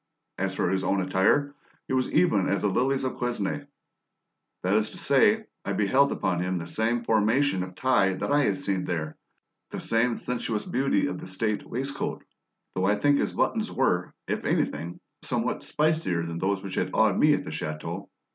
As for his own attire, he was even as the lilies of Quesnay; that is to say, I beheld upon him the same formation of tie that I had seen there, the same sensuous beauty of the state waistcoat, though I think that his buttons were, if anything, somewhat spicier than those which had awed me at the chateau.